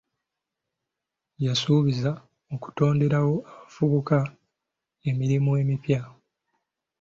Yasuubiza okutonderawo abavubuka emirimu emipya.